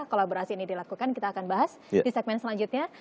kolaborasi ini dilakukan kita akan bahas di segmen selanjutnya